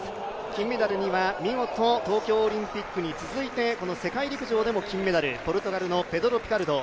金メダルには見事東京オリンピックに続いてこの世界陸上でも金メダル、ポルトガルのペドロ・ピカルド。